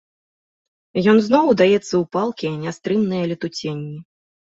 Ён зноў удаецца ў палкія нястрымныя летуценні.